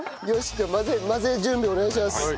じゃあ混ぜる準備をお願いします。